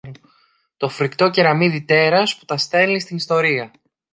το φριχτό κεραμιδί τέρας που τα στέλνει στην ιστορία